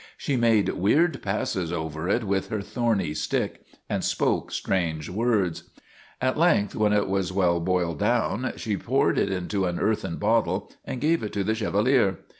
She made weird passes over it with her thorny stick and spoke strange words. At length, when it was well boiled down, she poured it into an earthen bottle and gave it to the Chevalier.